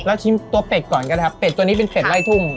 ชิมตัวเป็ดก่อนกันนะครับเป็ดตัวนี้เป็นเป็ดไล่ทุ่ง